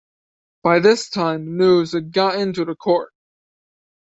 By this time the news has got into the court.